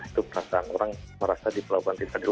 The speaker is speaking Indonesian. itu perasaan orang merasa di pelabuhan tidak adil